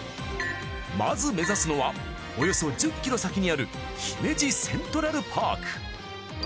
まず目指すのはおよそ１０ｋｍ先にある姫路セントラルパーク。